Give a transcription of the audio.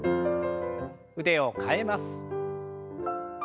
腕を替えます。